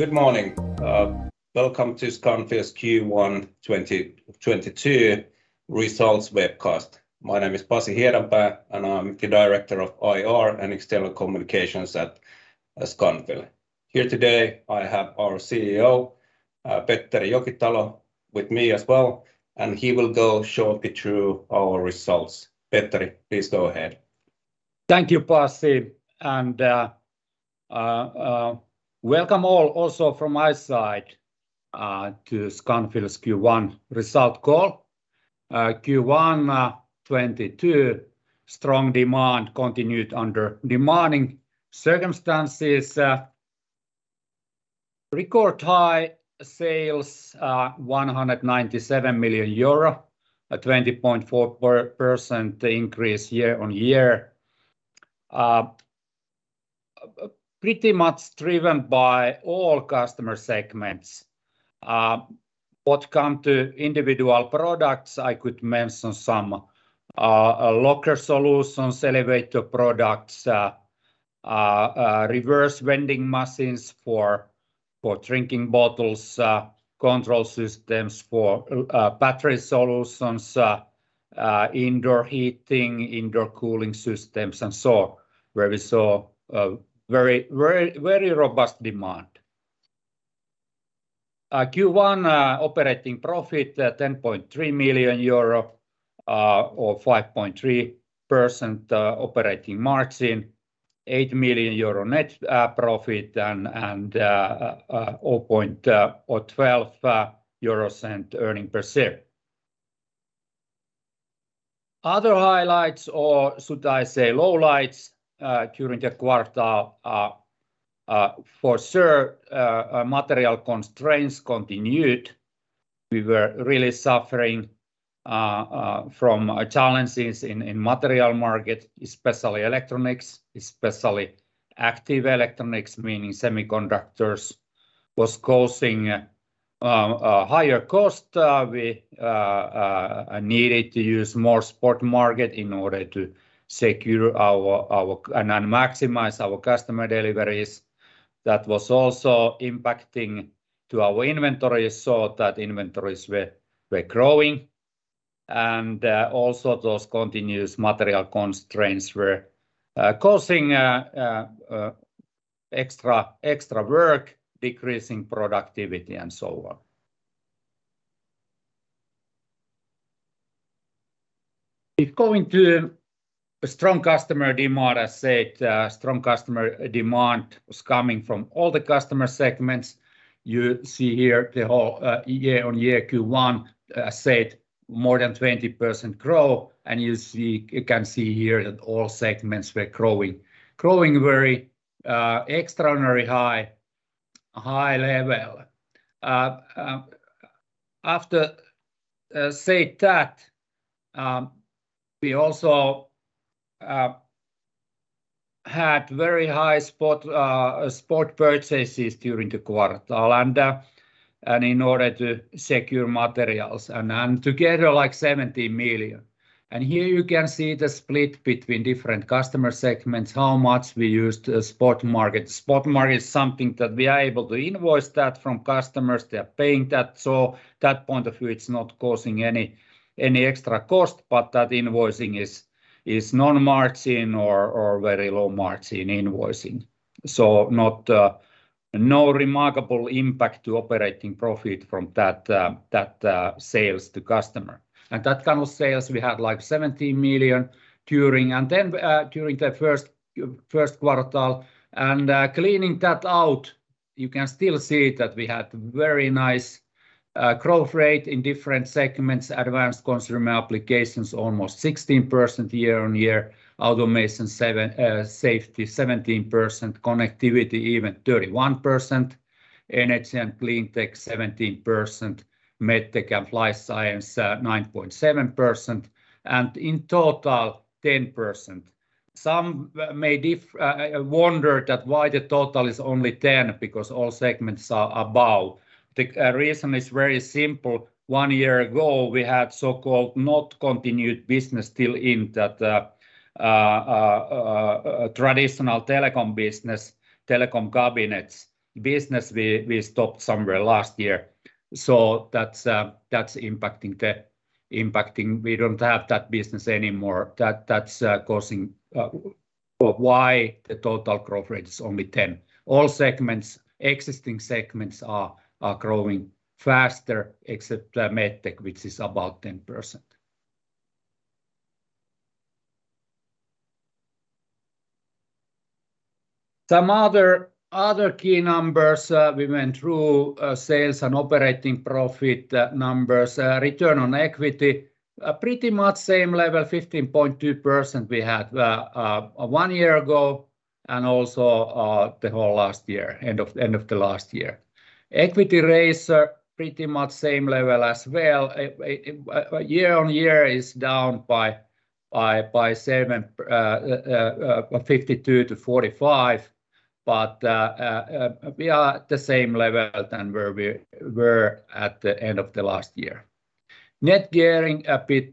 Good morning. Welcome to Scanfil's Q1 2022 results webcast. My name is Pasi Hiedanpää, and I'm the Director of IR and External Communications at Scanfil. Here today I have our CEO, Petteri Jokitalo with me as well, and he will go shortly through our results. Petteri, please go ahead. Thank you, Pasi. Welcome all, also from my side to Scanfil's Q1 results call. Q1 2022, strong demand continued under demanding circumstances. Record high sales, EUR 197 million, a 20.4% increase year-over-year. Pretty much driven by all customer segments. When it comes to individual products, I could mention some locker solutions, elevator products, reverse vending machines for drinking bottles, control systems for battery solutions, indoor heating, indoor cooling systems and so on, where we saw a very robust demand. Q1 operating profit, 10.3 million euro or 5.3% operating margin. 8 million euro net profit and 0.12 euros earnings per share. Other highlights, or should I say lowlights, during the quarter are, for sure, material constraints continued. We were really suffering from challenges in material market, especially electronics, especially active electronics, meaning semiconductors, was causing higher cost. We needed to use more spot market in order to secure and maximize our customer deliveries. That was also impacting our inventory so that inventories were growing. Also those continuous material constraints were causing extra work, decreasing productivity and so on. I said strong customer demand was coming from all the customer segments. You see here the whole year-on-year Q1 said more than 20% growth. You see. You can see here that all segments were growing very extraordinary high level. After, say that, we also had very high spot purchases during the quarter. In order to secure materials and together 17 million. Here you can see the split between different customer segments, how much we used the spot market. Spot market is something that we are able to invoice that from customers. They are paying that. So that point of view, it's not causing any extra cost, but that invoicing is non-margin or very low margin invoicing. So no remarkable impact to operating profit from that sales to customer. That kind of sales we had like 17 million during the first quarter. Cleaning that out, you can still see that we had very nice growth rate in different segments. Advanced Consumer Applications, almost 16% year-on-year. Automation & Safety, 17%. Connectivity, even 31%. Energy & Cleantech, 17%. Medtech & Life Science, 9.7%. In total, 10%. Some may wonder why the total is only 10% because all segments are above. The reason is very simple. One year ago, we had so-called not continued business still in that traditional telecom business, telecom cabinets business we stopped somewhere last year. That's impacting. We don't have that business anymore. That's causing why the total growth rate is only 10%. All existing segments are growing faster except Medtech, which is about 10%. Some other key numbers we went through, sales and operating profit numbers. Return on equity are pretty much same level, 15.2% we had one year ago and also the whole last year, end of the last year. Equity ratio are pretty much same level as well. Year-on-year is down by 7, 52%-45%, but we are the same level than where we were at the end of the last year. Net gearing a bit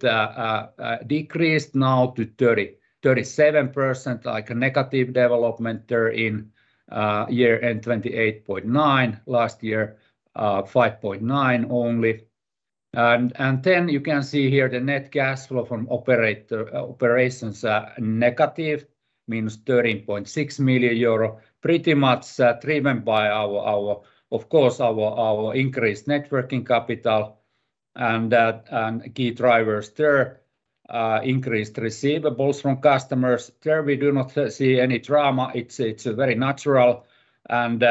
decreased now to 37%, like a negative development there in year-end 28.9%. Last year 5.9% only. Then you can see here the net cash flow from operating operations are negative, minus 13.6 million euro. Pretty much, driven by our, of course, our increased working capital and, key drivers there, increased receivables from customers. There we do not see any drama. It's very natural and,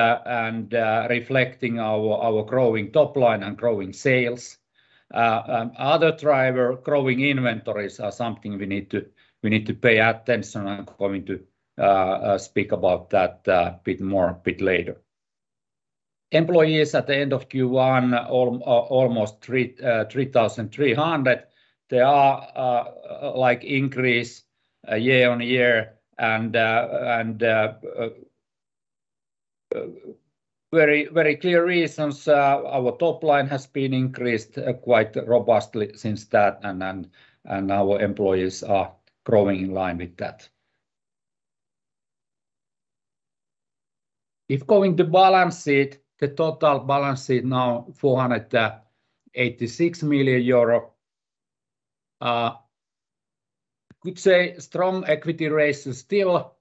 reflecting our growing top line and growing sales. Other driver, growing inventories are something we need to pay attention. I'm going to speak about that, a bit more a bit later. Employees at the end of Q1, almost 3,300. They are an increase year-on-year and very clear reasons. Our top line has been increased quite robustly since that, and our employees are growing in line with that. Going to balance sheet, the total balance sheet now 486 million euro. I could say strong equity ratio still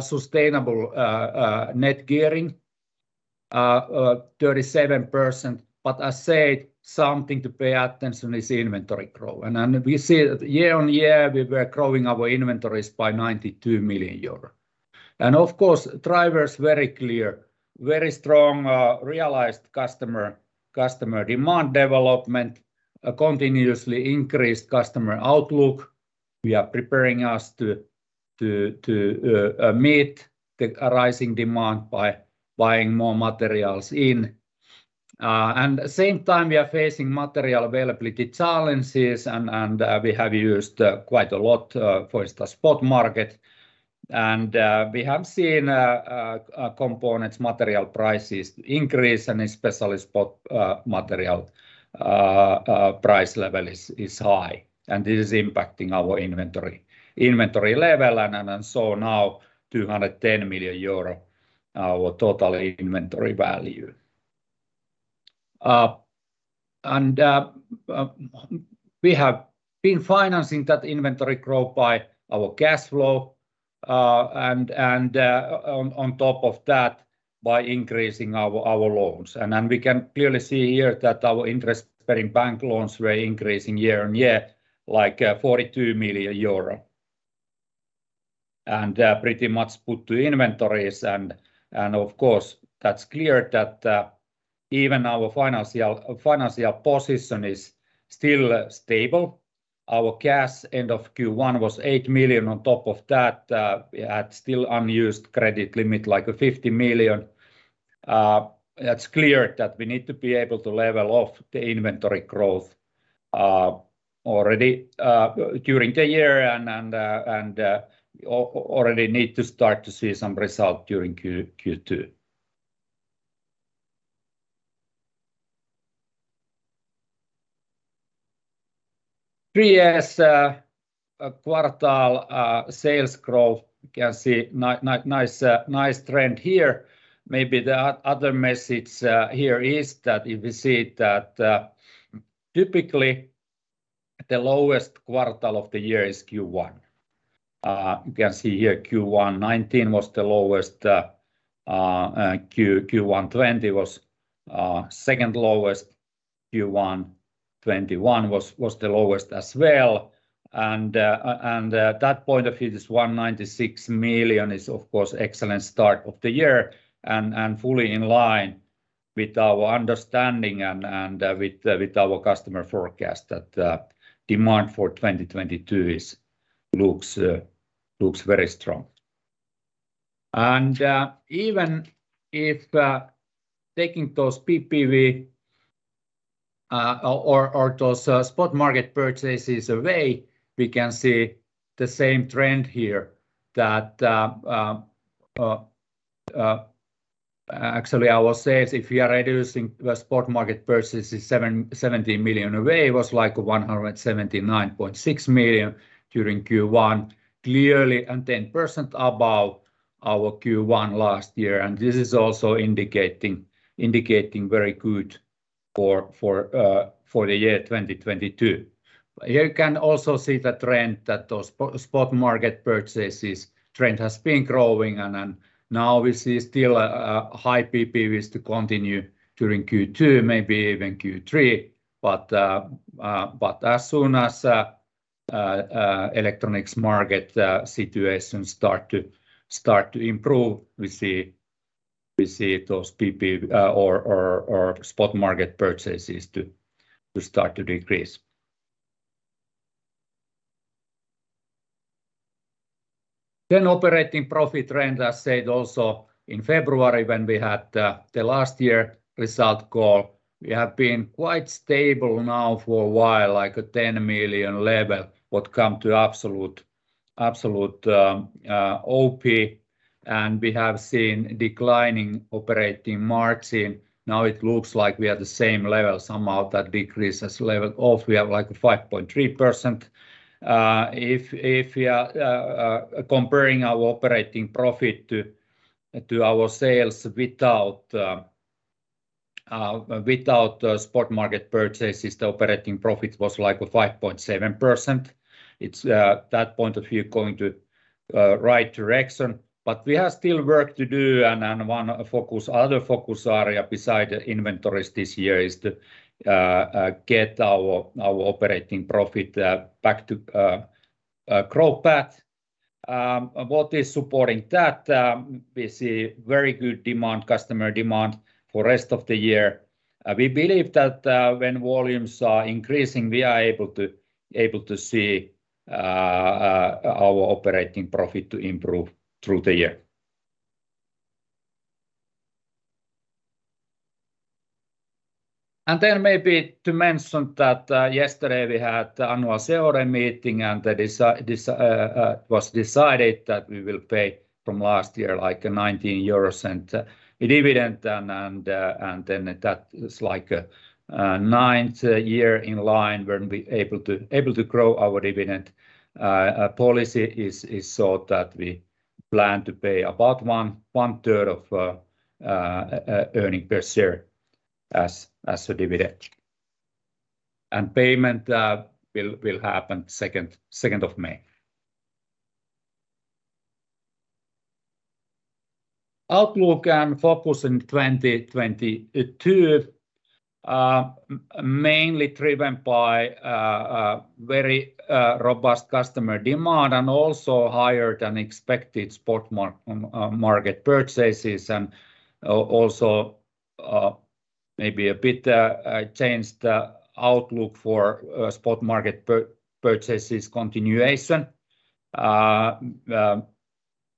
sustainable net gearing 37%. I said something to pay attention is inventory growth. Then we see year-on-year we were growing our inventories by 92 million euros. Of course, drivers very clear. Very strong realized customer demand development, a continuously increased customer outlook. We are preparing us to meet the rising demand by buying more materials in. Same time we are facing material availability challenges and we have used quite a lot for instance spot market. We have seen components, material prices increase and especially spot material price level is high, and this is impacting our inventory level, and now our total inventory value is EUR 210 million. We have been financing that inventory growth by our cash flow, and on top of that by increasing our loans. We can clearly see here that our interest-bearing bank loans were increasing year-on-year like EUR 42 million. Pretty much put to inventories and of course, that's clear that even our financial position is still stable. Our cash end of Q1 was 8 million. On top of that, we had still unused credit limit, like 50 million. That's clear that we need to be able to level off the inventory growth already during the year and already need to start to see some result during Q2. Q2 sales growth you can see nice trend here. Maybe the other message here is that typically the lowest quarter of the year is Q1. You can see here Q1 2019 was the lowest, Q1 2020 was second lowest. Q1 2021 was the lowest as well. That point of view, this 196 million is of course excellent start of the year and fully in line with our understanding and with our customer forecast that demand for 2022 looks very strong. Even if taking those PPV or those spot market purchases away, we can see the same trend here that actually I will say if you are reducing the spot market purchases 70 million away, it was like 179.6 million during Q1. Clearly, 10% above our Q1 last year. This is also indicating very good for the year 2022. You can also see the trend that those spot market purchases trend has been growing and then now we see still high PPVs to continue during Q2, maybe even Q3. As soon as electronics market situation starts to improve, we see those PPV or spot market purchases to start to decrease. Then operating profit trend, I said also in February when we had the last year result call. We have been quite stable now for a while, like a 10 million level when it comes to absolute OP and we have seen declining operating margin. Now it looks like we are at the same level somehow that decreased level of. We have like 5.3%. If we are comparing our operating profit to our sales without spot market purchases, the operating profit was like a 5.7%. It's that point of view going to right direction, but we have still work to do, and one other focus area beside the inventories this year is to get our operating profit back to growth path. What is supporting that, we see very good customer demand for rest of the year. We believe that when volumes are increasing, we are able to see our operating profit to improve through the year. Then maybe to mention that yesterday we had the annual AGM and that was decided that we will pay from last year like a EUR 0.19 dividend, and then that is like a ninth year in a row when we are able to grow our dividend. Policy is so that we plan to pay about one third of earnings per share as a dividend. Payment will happen May 2. Outlook and focus in 2022 mainly driven by a very robust customer demand and also higher than expected spot market purchases and also maybe a bit changed the outlook for spot market purchases continuation.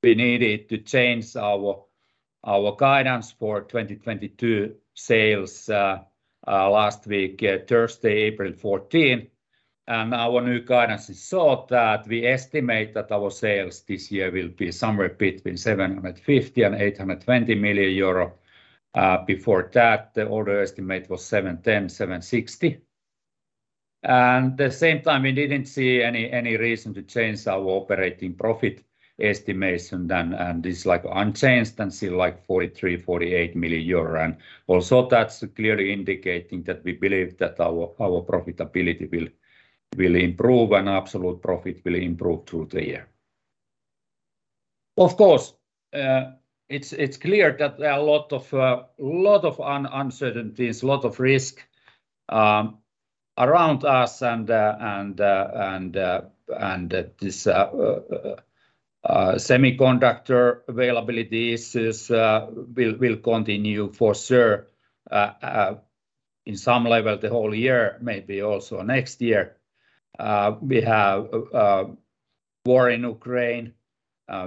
We needed to change our guidance for 2022 sales last week, Thursday, April 14. Our new guidance is so that we estimate that our sales this year will be somewhere between 750 million and 820 million euro. Before that, the old estimate was 710 million-760 million. The same time we didn't see any reason to change our operating profit estimation then, and it's like unchanged and still like 43 million-48 million euro. Also that's clearly indicating that we believe that our profitability will improve and absolute profit will improve through the year. Of course, it's clear that there are a lot of uncertainties, lot of risk around us and this semiconductor availabilities will continue for sure in some level the whole year, maybe also next year. We have a war in Ukraine,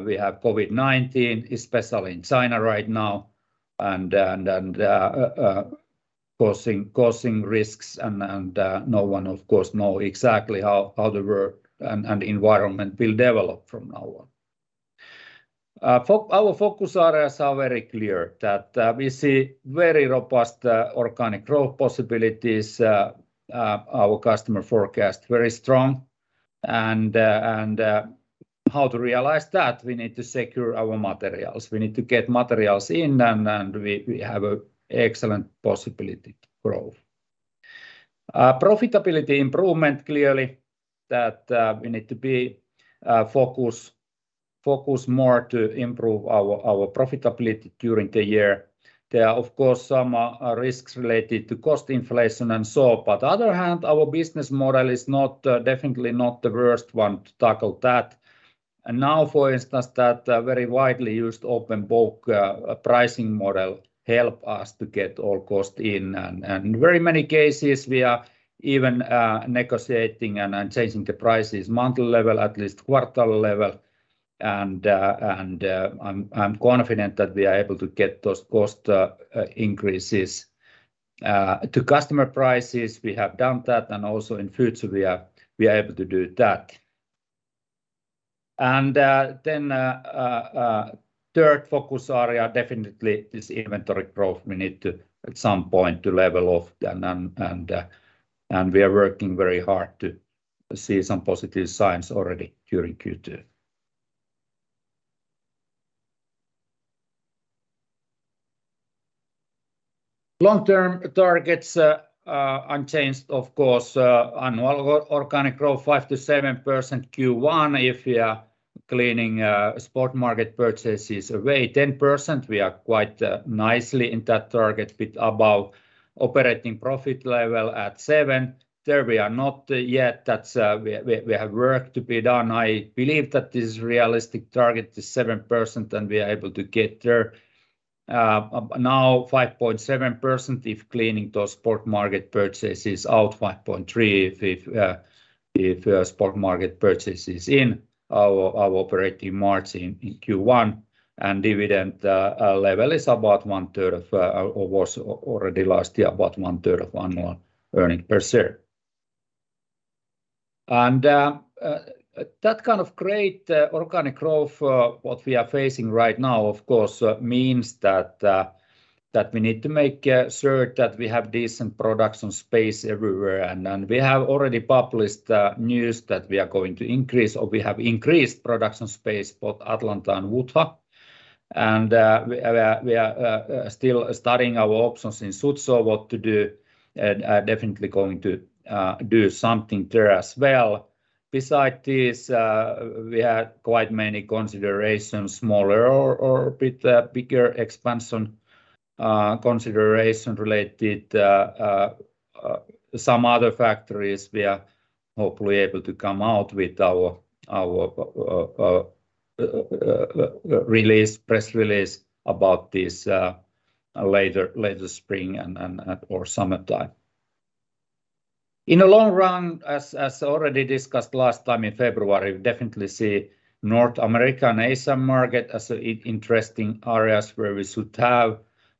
we have COVID-19, especially in China right now, and causing risks and no one of course know exactly how the world and environment will develop from now on. Our focus areas are very clear that we see very robust organic growth possibilities. Our customer forecast very strong and how to realize that we need to secure our materials. We need to get materials in and we have a excellent possibility to grow. Profitability improvement clearly that we need to be focus more to improve our profitability during the year. There are, of course, some risks related to cost inflation and so on. On the other hand, our business model is not definitely not the worst one to tackle that. Now, for instance, that very widely used open book pricing model helps us to get all costs in. Very many cases we are even negotiating and changing the prices monthly level, at least quarterly level. I'm confident that we are able to get those cost increases to customer prices. We have done that and also in future we are able to do that. Then, third focus area definitely is inventory growth. We need to at some point level off then and we are working very hard to see some positive signs already during Q2. Long-term targets unchanged of course. Annual organic growth 5%-7% Q1 if we are cleaning spot market purchases away. 10% we are quite nicely in that target with about operating profit level at 7%. There we are not yet. We have work to be done. I believe that this realistic target is 7% and we are able to get there. Now 5.7% if cleaning those spot market purchases out 5.3% if spot market purchases in our operating margin in Q1. Dividend level is about one third of... or was already last year, about one third of annual earnings per share. That kind of great organic growth what we are facing right now, of course, means that we need to make sure that we have decent production space everywhere. We have already published news that we are going to increase, or we have increased, production space both Atlanta and Wutha. We are still studying our options in Suzhou what to do, and definitely going to do something there as well. Besides this, we had quite many considerations, smaller or a bit bigger expansion consideration related to some other factories. We are hopefully able to come out with our press release about this later spring or summertime. In the long run, as already discussed last time in February, we definitely see North American EMS market as interesting areas where we should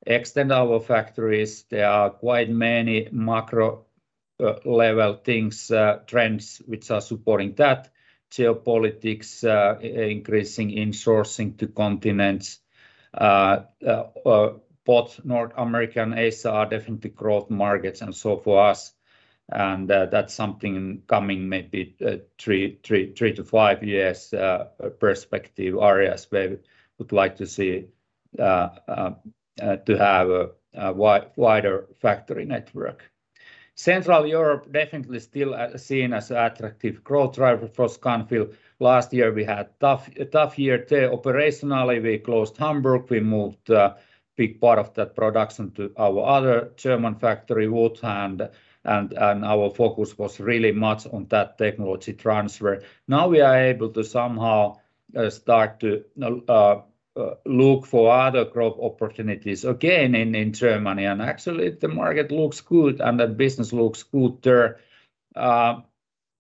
extend our factories. There are quite many macro-level things, trends which are supporting that. Geopolitics, increasing insourcing to continents. Both North America and Asia are definitely growth markets and so for us. That's something coming maybe 3-5 years perspective areas where we would like to see to have a wider factory network. Central Europe definitely still seen as attractive growth driver for Scanfil. Last year we had a tough year there operationally. We closed Hamburg. We moved a big part of that production to our other German factory, Wutha-Farnroda, and our focus was really much on that technology transfer. Now we are able to somehow start to look for other growth opportunities again in Germany. Actually the market looks good and the business looks good there.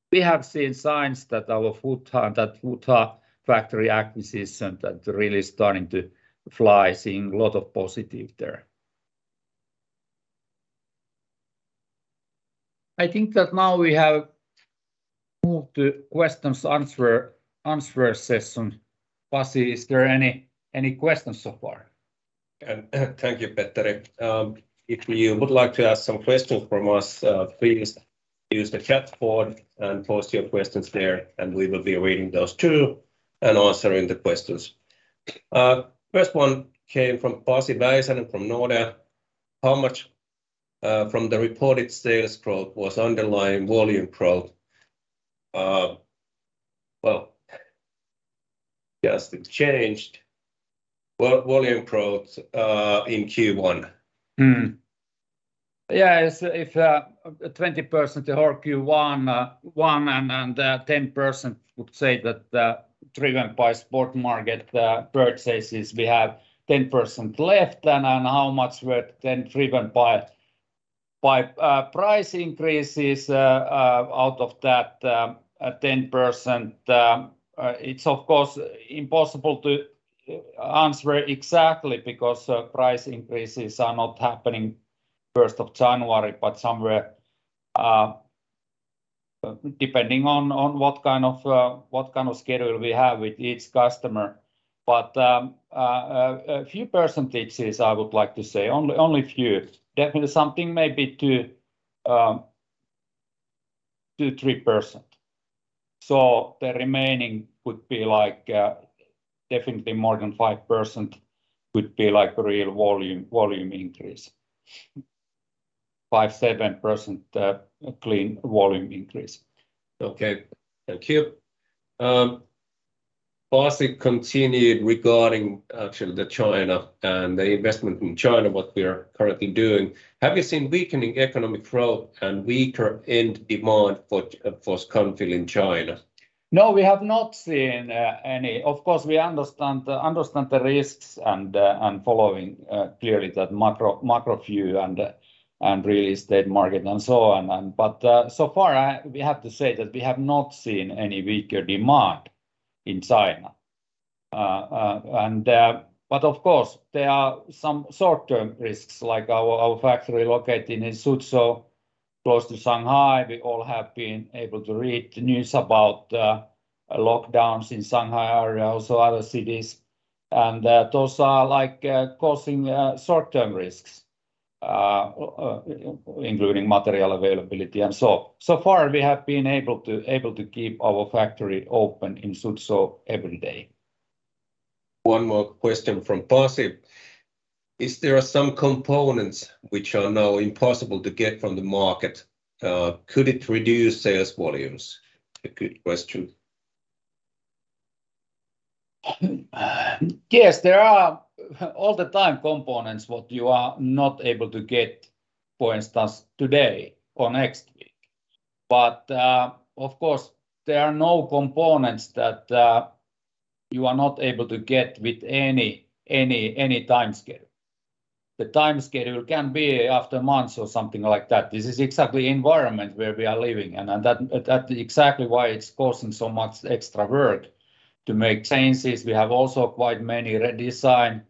We have seen signs that our Wutha-Farnroda, that Wutha-Farnroda factory acquisition that really starting to fly, seeing a lot of positive there. I think that now we have moved to questions answer session. Pasi, is there any questions so far? Thank you, Petteri. If you would like to ask some questions from us, please use the chat board and post your questions there, and we will be reading those too and answering the questions. First one came from Pasi Väisänen from Nordea. How much from the reported sales growth was underlying volume growth? What volume growth in Q1? If 20% the whole Q1 and 10% would say that driven by spot market purchases. We have 10% left, and then how much were driven by price increases? Out of that 10%, it's of course impossible to answer exactly, because price increases are not happening 1st of January, but somewhere depending on what kind of schedule we have with each customer. But a few percentages I would like to say, only a few. Definitely something maybe to 3%. So the remaining would be like definitely more than 5% would be like a real volume increase. 5%-7%, clean volume increase. Okay. Thank you. Pasi continued regarding actually the China and the investment in China, what we are currently doing. Have you seen weakening economic growth and weaker end demand for Scanfil in China? No, we have not seen any. Of course, we understand the risks and following clearly that macro view and real estate market and so on. So far, we have to say that we have not seen any weaker demand in China. But of course, there are some short-term risks, like our factory located in Suzhou, close to Shanghai. We all have been able to read news about lockdowns in Shanghai area, also other cities. Those are like causing short-term risks, including material availability and so on. So far we have been able to keep our factory open in Suzhou every day. One more question from Pasi. Is there some components which are now impossible to get from the market? Could it reduce sales volumes? A good question. Yes, there are all the time components what you are not able to get, for instance, today or next week. Of course, there are no components that you are not able to get with any time scale. The time scale can be after months or something like that. This is exactly environment where we are living, and that exactly why it's causing so much extra work. To make changes, we have also quite many redesign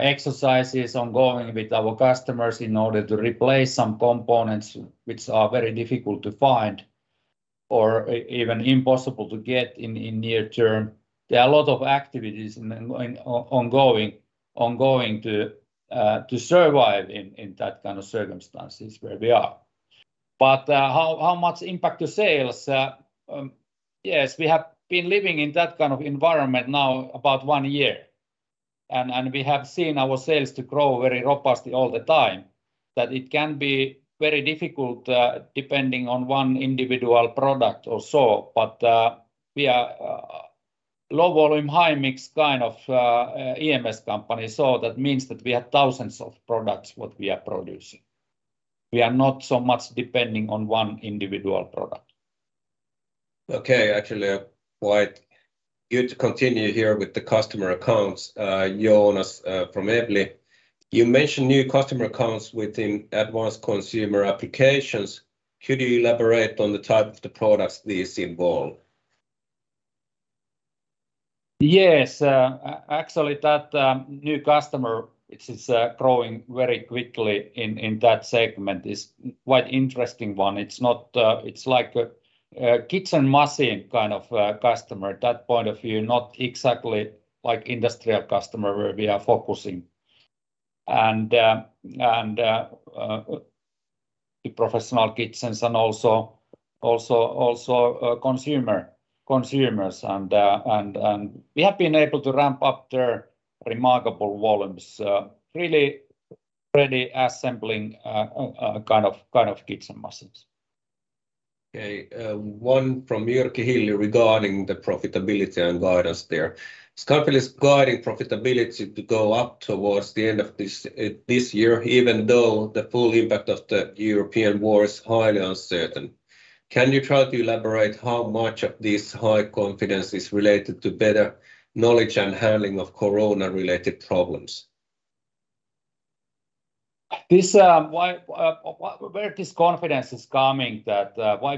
exercises ongoing with our customers in order to replace some components which are very difficult to find or even impossible to get in near term. There are a lot of activities and ongoing to survive in that kind of circumstances where we are. How much impact to sales? Yes, we have been living in that kind of environment now about one year, and we have seen our sales to grow very robustly all the time. That it can be very difficult, depending on one individual product or so, but we are high mix, low volume kind of EMS company. That means that we have thousands of products what we are producing. We are not so much depending on one individual product. Okay. Actually, quite good to continue here with the customer accounts. Jonas, from ABG. You mentioned new customer accounts within Advanced Consumer Applications. Could you elaborate on the type of the products these involve? Yes. Actually, that new customer, which is growing very quickly in that segment, is quite interesting one. It's like a kitchen machine kind of customer, that point of view, not exactly like industrial customer where we are focusing. The professional kitchens and also consumers. We have been able to ramp up their remarkable volumes, really readily assembling kind of kitchen machines. Okay. One from Antti Viljakainen regarding the profitability and guidance there. Scanfil is guiding profitability to go up towards the end of this year even though the full impact of the European war is highly uncertain. Can you try to elaborate how much of this high confidence is related to better knowledge and handling of COVID-related problems? Why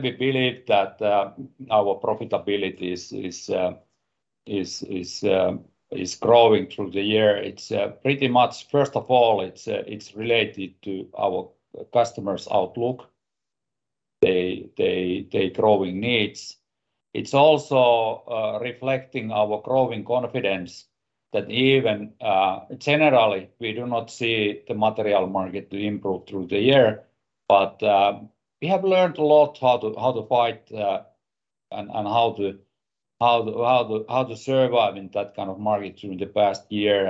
we believe that our profitability is growing through the year. It's pretty much first of all related to our customers' outlook, their growing needs. It's also reflecting our growing confidence that even generally we do not see the material market to improve through the year. We have learned a lot how to fight and how to survive in that market through the past year.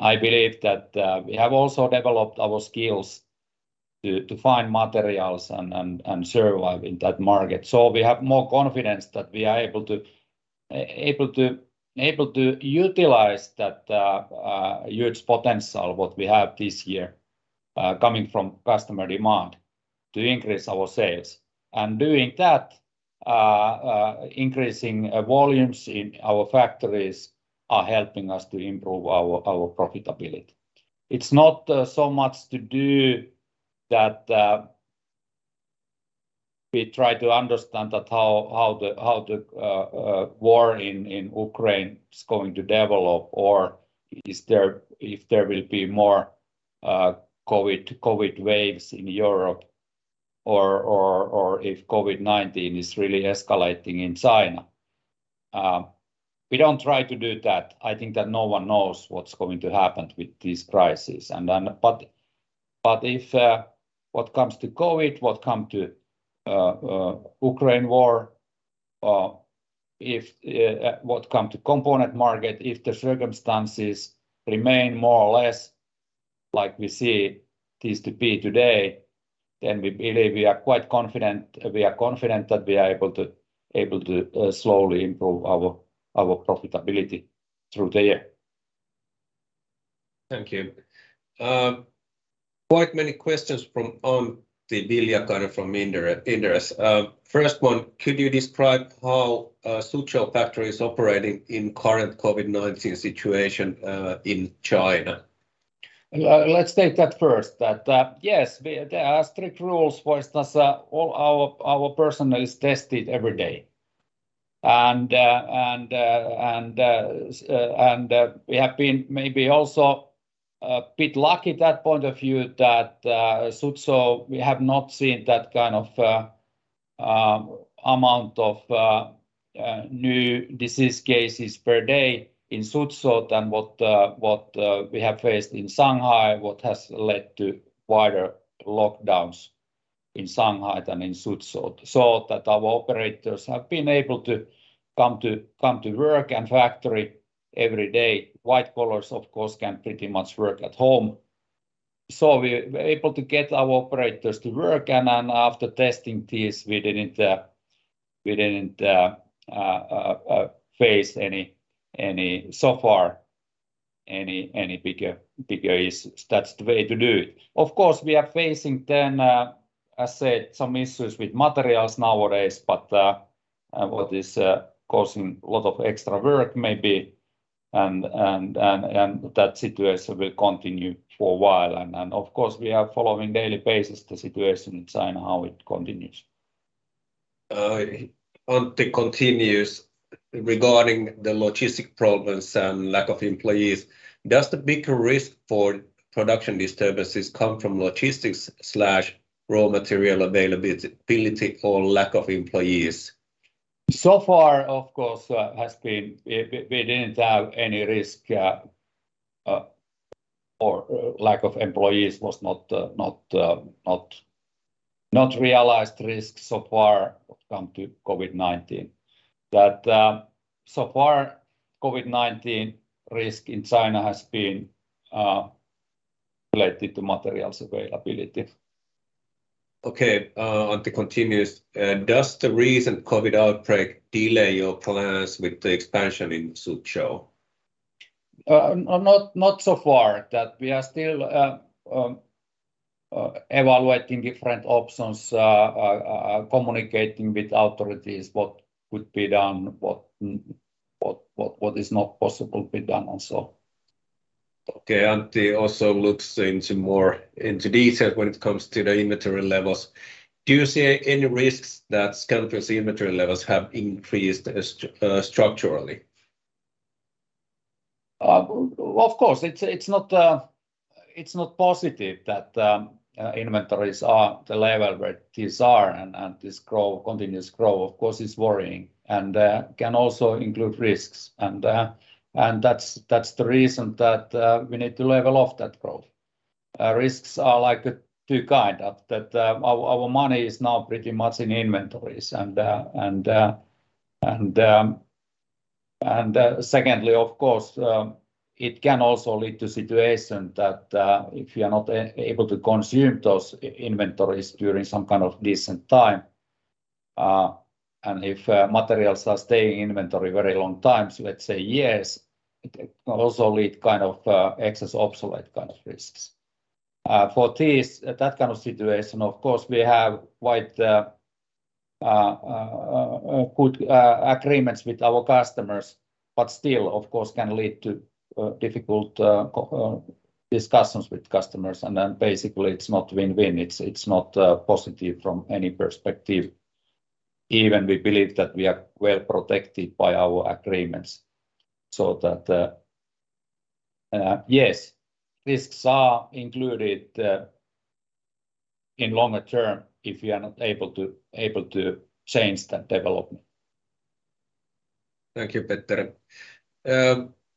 I believe that we have also developed our skills to find materials and survive in that market. We have more confidence that we are able to utilize that huge potential what we have this year coming from customer demand to increase our sales. Doing that, increasing volumes in our factories are helping us to improve our profitability. It's not so much to do that we try to understand how the war in Ukraine is going to develop or if there will be more COVID waves in Europe or if COVID-19 is really escalating in China. We don't try to do that. I think that no one knows what's going to happen with this crisis. Then if what comes to COVID, what comes to Ukraine war, what comes to component market, if the circumstances remain more or less like we see this to be today, then we believe we are quite confident that we are able to slowly improve our profitability through the year. Thank you. Quite many questions from Antti Viljakainen from Inderes. First one: Could you describe how Suzhou factory is operating in current COVID-19 situation in China? Let's take that first. Yes, there are strict rules. For instance, all our personnel is tested every day. We have been maybe also a bit lucky at that point of view that Suzhou we have not seen that kind of amount of new disease cases per day in Suzhou than what we have faced in Shanghai, what has led to wider lockdowns in Shanghai than in Suzhou. That our operators have been able to come to work and factory every day. White collars, of course, can pretty much work at home. We're able to get our operators to work and after testing this, we didn't face any so far, any bigger issues. That's the way to do it. Of course, we are facing then, I said some issues with materials nowadays, but what is causing a lot of extra work maybe and that situation will continue for a while. Of course we are following on a daily basis the situation in China, how it continues. Antti continues regarding the logistics problems and lack of employees. Does the bigger risk for production disturbances come from logistics slash raw material availability or lack of employees? We didn't have any risk or lack of employees was not realized risk so far when it come to COVID-19. So far, COVID-19 risk in China has been related to materials availability. Okay. Antti continues. Does the recent COVID outbreak delay your plans with the expansion in Suzhou? Not so far that we are still evaluating different options, communicating with authorities what could be done, what is not possible to be done also. Okay. Antti also looks into more detail when it comes to the inventory levels. Do you see any risks that Scanfil's inventory levels have increased structurally? Of course, it's not positive that inventories are at the level where these are and this continuous growth, of course, is worrying and can also include risks. That's the reason that we need to level off that growth. Risks are like two kinds of. Our money is now pretty much in inventories and secondly, of course, it can also lead to a situation that if you are not able to consume those inventories during some kind of decent time and if materials are staying in inventory very long times, let's say years, it can also lead kind of excess and obsolete kind of risks. For this, that kind of situation, of course, we have quite good agreements with our customers, but still, of course, can lead to difficult discussions with customers and then basically it's not win-win. It's not positive from any perspective. Even we believe that we are well-protected by our agreements so that, yes, risks are included in longer term if we are not able to change that development. Thank you, Petteri.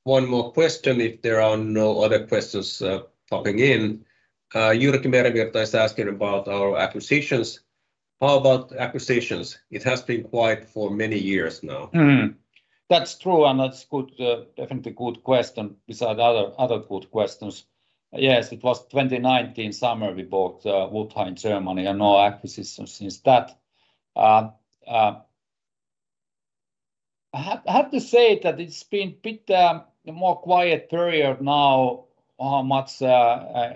One more question if there are no other questions, popping in. Jyrki Meriviita is asking about our acquisitions. How about acquisitions? It has been quiet for many years now. That's true, and that's good, definitely good question besides other good questions. Yes, it was summer 2019 we bought Wutha-Farnroda, Germany and no acquisitions since that. I have to say that it's been a bit more quiet period now on how much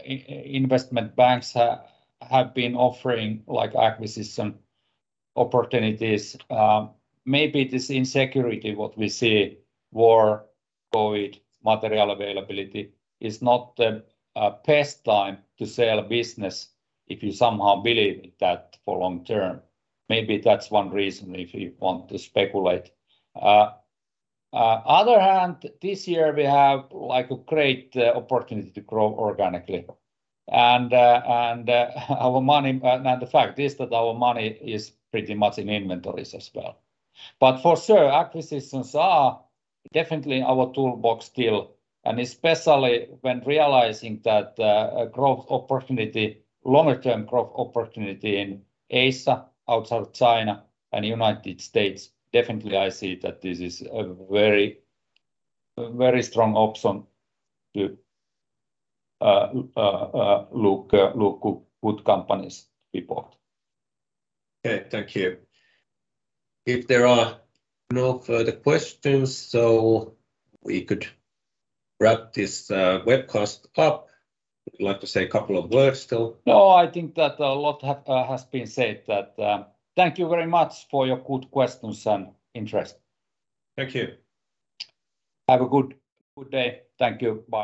investment banks have been offering, like, acquisition opportunities. Maybe this insecurity, what we see, war, COVID-19, material availability, is not the best time to sell business if you somehow believe in that for long term. Maybe that's one reason, if you want to speculate. On the other hand, this year we have, like, a great opportunity to grow organically and our money. The fact is that our money is pretty much in inventories as well. For sure, acquisitions are definitely our toolbox still, and especially when realizing that, a growth opportunity, longer term growth opportunity in Asia outside of China and United States, definitely I see that this is a very, very strong option to look good companies report. Okay. Thank you. If there are no further questions, so we could wrap this webcast up. Would you like to say a couple of words still? No, I think that a lot has been said. Thank you very much for your good questions and interest. Thank you. Have a good day. Thank you. Bye.